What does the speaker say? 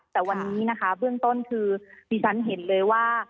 แต่วันนี้นะคะเบื้องต้นคือดิฉันเห็นเลยว่า